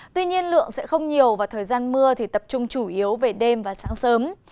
tuy nhiên lượng sẽ không nhiều và thời gian mưa thì tập trung chủ yếu về đêm và sáng sớm